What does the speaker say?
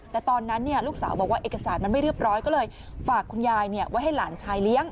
แต่ตอนนั้นลูกสาวบอกว่าเอกสารมันไม่เรียบร้อยก็เลยฝากคุณยายไว้ให้หลานชายเลี้ยง